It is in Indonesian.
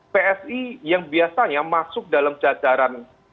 psi yang biasanya masuk dalam jajaran